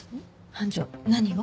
班長何を？